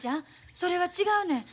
それは違うねん。